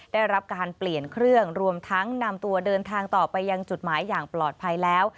ได้รับการเปลี่ยนเครื่องรวมทั้งนำตัวเดินทางต่อไปยังจุดหมายอย่างปลอดภัยแล้ว